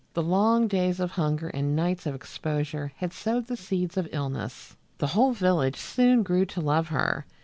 The long days of hunger and nights of exposure had sowed the seeds of illness. The whole village soon grew to love her.